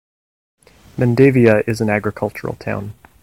Mendavia is an agricultural town.